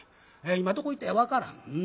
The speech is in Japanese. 今どこ行ったんや分からん。